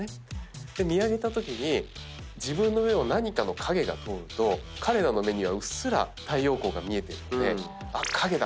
で見上げたときに自分の上を何かの影が通ると彼らの目にはうっすら太陽光が見えてるので「影だ。